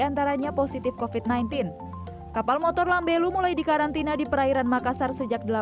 antaranya positif kofit sembilan belas kapal motor lambelu mulai dikarantina di perairan makassar sejak